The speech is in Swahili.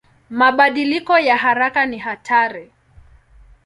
Mabadiliko ya haraka ni hatari.